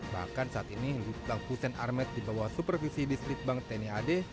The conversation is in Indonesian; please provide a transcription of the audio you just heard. bahkan saat ini lututang hussein armet dibawa supervisi di stribang tni ad